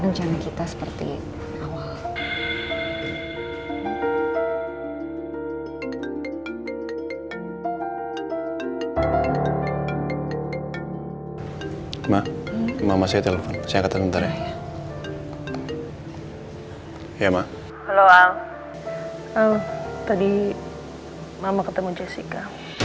al tadi mama ketemu jessica